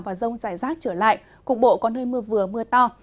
và rông rải rác trở lại cục bộ có nơi mưa vừa mưa to